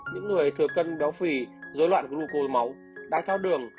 những người thừa cân béo phì dối loạn gluco máu đai tháo đường